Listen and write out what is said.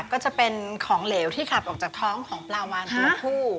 ก็จะเป็นของเหลวที่ขับออกจากท้องของปลาวานตัวผู้